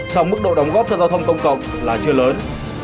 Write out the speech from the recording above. song mức độ đóng góp cho giao thông công cộng là chưa lớn